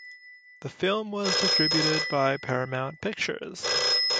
The film was distributed by Paramount Pictures.